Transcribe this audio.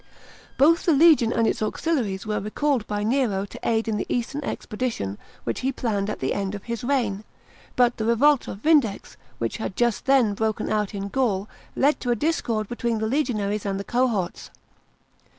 Both the legion and its auxiliaries were recalled by Nero to aid in the eastern expedition which he planned at the end of his reign ; but the revolt of Vindex, \\hirh had just then broken out in Gaul, led to a discord between the legionaries and the cohorts.